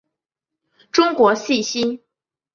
中国细辛